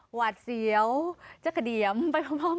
หวาดเสียวจักรเดียมไปพร้อม